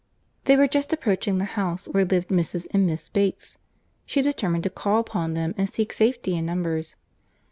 They were just approaching the house where lived Mrs. and Miss Bates. She determined to call upon them and seek safety in numbers.